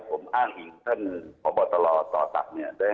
ผมอ้างอีกท่านพบตรตรทรัพย์เนี่ย